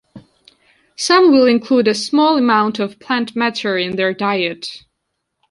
Some will include a small amount of plant matter in their diet.